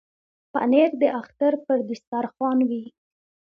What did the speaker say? پنېر د اختر پر دسترخوان وي.